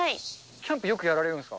キャンプよくやられるんですか？